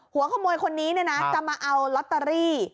หัวขโมยคนนี้จะมาเอาลอตเตอรี่